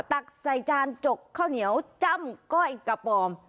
ตักใส่จานจกข้าวเหนียวจ้ำก้อยกระปอม